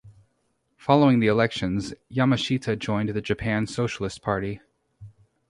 Following the elections Yamashita joined the Japan Socialist Party.